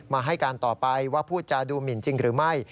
ให้การต่อไปว่าพูดจาดูหมินจริงหรือไม่